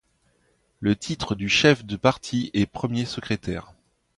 Le titre du chef de parti est premier secrétaire.